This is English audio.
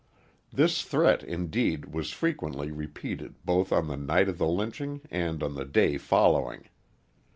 This threat indeed, was frequently repeated both on the night of the lynching and on the day following.